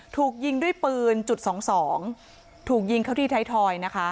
ถูกยิงด้วยปืนจุดสองสองถูกยิงเข้าที่ไทยทอยนะคะ